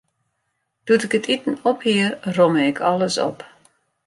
Doe't ik it iten op hie, romme ik alles op.